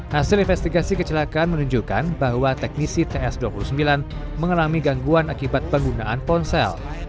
hasil investigasi kecelakaan menunjukkan bahwa teknisi ts dua puluh sembilan mengalami gangguan akibat penggunaan ponsel